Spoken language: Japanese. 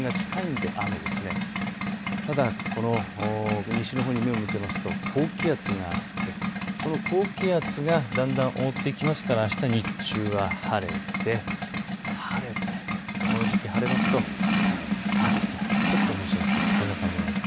ただこの西のほうに目を向けますと高気圧があってこの高気圧がだんだんを覆ってきますからあした日中は晴れてこの時期、晴れますと暑くなる、ちょっと蒸し蒸しする、そんな感じになりそうです。